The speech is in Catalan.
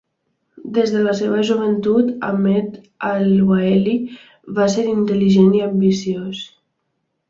Des de la seva joventut, Ahmed Al-Waeli va ser intel·ligent i ambiciós.